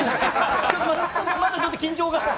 まだちょっと緊張が。